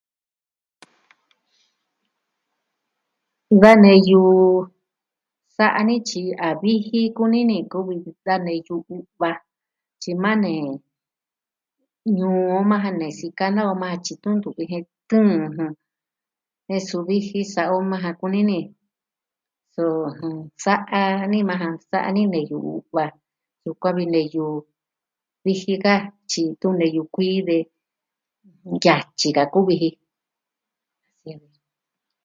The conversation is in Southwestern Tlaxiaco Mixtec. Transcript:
Da neyu sa'a ni tyi a viji kuni ni kuvi da neyu u'va tyi maa nee ñuu maa ja ne sikana o maa tyi tun ntu vi jen tɨɨn jɨ. Je suviji sa'a o maa ja kuni ni so sa'a ni maa ja, sa'a ni neyu u'va, yukuan vi neyu vixin ka tyi ntu neyu kuii yatyi ka kuvi ji.